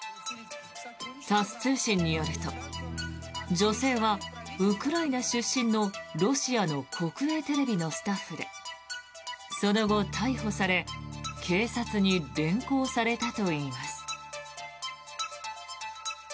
タス通信によると女性はウクライナ出身のロシアの国営テレビのスタッフでその後、逮捕され警察に連行されたといいます。